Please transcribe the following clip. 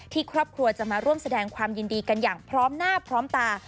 ครอบครัวจะมาร่วมแสดงความยินดีกันอย่างพร้อมหน้าพร้อมตา